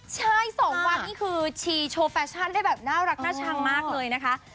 ใช่๒วันนี่คือชีโชว์แฟชั่นได้แบบน่ารักน่าชังมากเลยนะคะ